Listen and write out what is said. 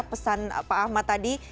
pesan pak ahmad tadi